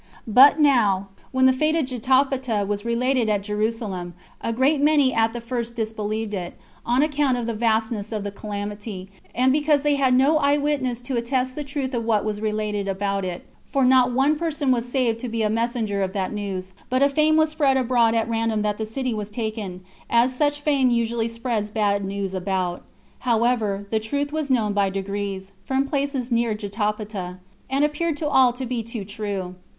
But now, when the fate of Jotapata was related at Jerusalem, a great many at the first disbelieved it, on account of the vastness of the calamity, and because they had no eye witness to attest the truth of what was related about it; for not one person was saved to be a messenger of that news, but a fame was spread abroad at random that the city was taken, as such fame usually spreads bad news about. However, the truth was known by degrees, from the places near Jotapata, and appeared to all to be too true.